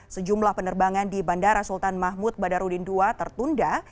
sejumlah penerbangan di bandara sultan mahmud badarudin ii tertunda